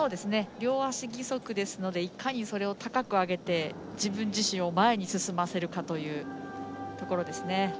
両足義足ですのでいかにそれを高く上げて自分自身を前に進ませるかというところです。